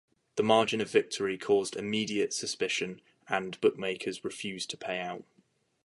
The margin of victory caused immediate suspicion, and bookmakers refused to pay out.